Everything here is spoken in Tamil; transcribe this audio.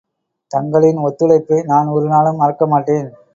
தங்களின் ஒத்துழைப்பை நான் ஒரு நாளும் மறக்கமாட்டேன்.